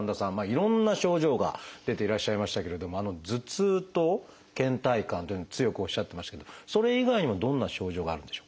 いろんな症状が出ていらっしゃいましたけれども頭痛とけん怠感というのを強くおっしゃってましたけどそれ以外にもどんな症状があるんでしょうか？